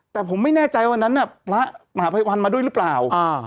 แต่ผมไม่แน่ใจวันนั้นน่ะพระมหาภัยวันมาด้วยหรือเปล่า